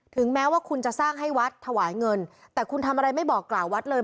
แม้ว่าคุณจะสร้างให้วัดถวายเงินแต่คุณทำอะไรไม่บอกกล่าววัดเลย